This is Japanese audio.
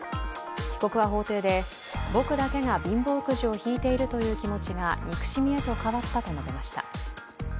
被告は法廷で、僕だけが貧乏くじを引いているという気持ちが憎しみへと変わったと述べました。